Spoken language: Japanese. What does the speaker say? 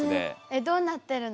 えっどうなってるの？